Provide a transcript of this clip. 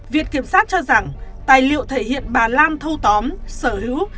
viện kiểm sát cho rằng tài liệu thể hiện bà lan thâu tóm sở hữu